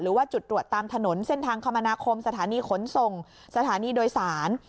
หรือว่าจุดตรวจตามถนนเส้นทางคมนาคมสถานีขนส่งสถานีโดยสาร